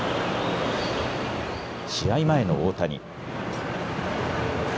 試合前の大谷。